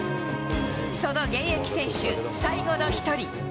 その現役選手最後の一人。